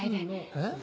えっ？